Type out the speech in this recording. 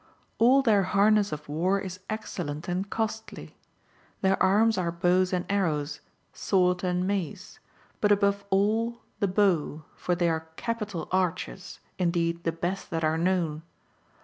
All their harness of war is excellent and costly. Their arms are bows and arrows, sword and mace ; but above all the bow, for they are capital archers, indeed the best that are known.